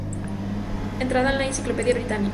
Entrada en la Enciclopedia Britannica